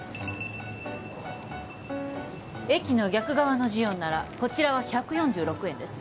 駅の逆側のジオンならこちらは１４６円です